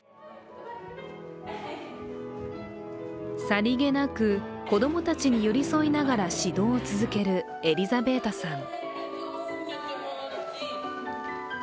さりげなく子供たちに寄り添いながら指導を続けるエリザベータさん。